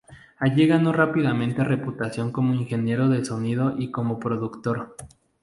Allí ganó rápidamente reputación como ingeniero de sonido y como productor.